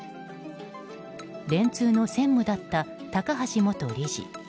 電通の専務だった高橋元理事。